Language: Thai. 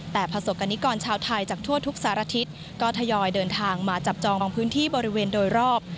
แต่ประสบกรณิกรชาวไทยจากทั่วทุกสารทิศก็ทยอยเดินทางมาจับจองบางพื้นที่บริเวณโดยรอบ